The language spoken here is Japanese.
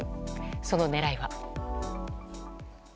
その狙いは。